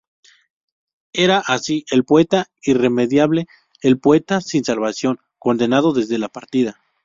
Era, así, el poeta irremediable, el poeta sin salvación, condenado desde la partida.